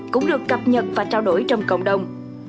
cũng được cập nhật và trao đổi trong cộng đồng